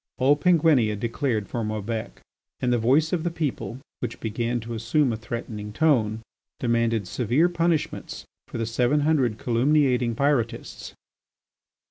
All Penguinia declared for Maubec, and the voice of the people which began to assume a threatening tone, demanded severe punishments for the seven hundred calumniating Pyrotists.